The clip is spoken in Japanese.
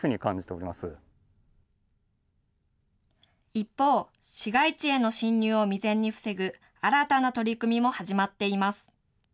一方、市街地への侵入を未然に防ぐ新たな取り組みも始まっています。